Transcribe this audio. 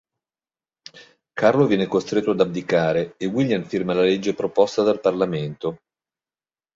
Carlo viene costretto ad abdicare e William firma la legge proposta dal parlamento.